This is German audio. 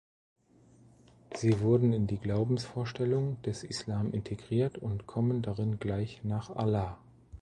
Sie wurden in die Glaubensvorstellung des Islam integriert und kommen darin gleich nach Allah.